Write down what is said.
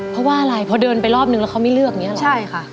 เพราะว่าอะไรพอเดินไปรอบนึงแล้วเขาไม่เลือกอย่างนี้หรอใช่ค่ะ